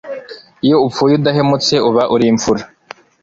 iyo upfuye udahemutse uba uri imfura »